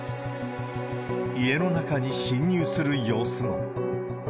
家の中に侵入する様子も。